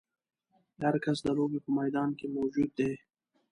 هر کس د لوبې په میدان کې موجود دی.